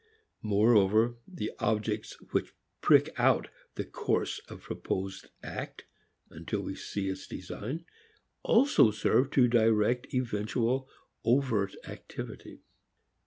Moreover the objects which prick out the course of a proposed act until we can see its design also serve to direct eventual overt activity.